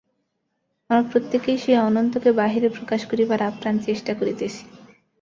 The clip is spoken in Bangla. আমরা প্রত্যেকেই সেই অনন্তকে বাহিরে প্রকাশ করিবার আপ্রাণ চেষ্টা করিতেছি।